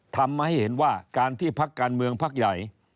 ทำให้เห็นว่าการที่พักการเมืองพักใหญ่